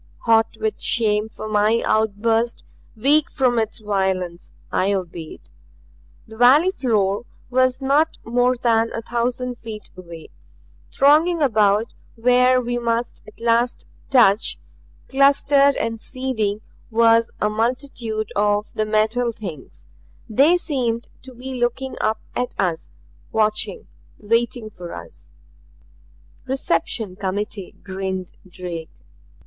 Hot with shame for my outburst, weak from its violence, I obeyed. The valley floor was not more than a thousand feet away. Thronging about where we must at last touch, clustered and seething, was a multitude of the Metal Things. They seemed to be looking up at us, watching, waiting for us. "Reception committee," grinned Drake.